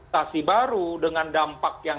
tasi baru dengan dampak yang